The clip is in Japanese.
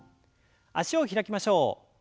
脚を開きましょう。